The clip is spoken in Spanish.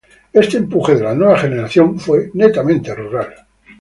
Este empuje de la nueva generación fue netamente rural.